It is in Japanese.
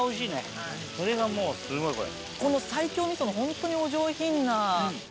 それがもうすごいこれ。